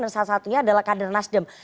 dan salah satunya adalah kader nasdem